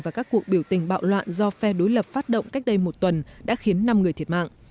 và các cuộc biểu tình bạo loạn do phe đối lập phát động cách đây một tuần đã khiến năm người thiệt mạng